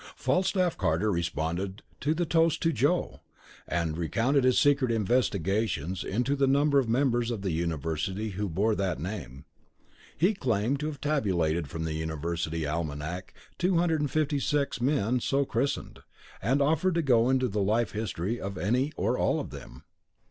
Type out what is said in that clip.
Falstaff Carter responded to the toast to "Joe," and recounted his secret investigations into the number of members of the university who bore that name. He claimed to have tabulated from the university almanac 256 men so christened, and offered to go into the life history of any or all of them.